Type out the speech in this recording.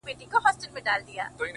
دلته به څه وي تلاوت دلته به څه وي سجده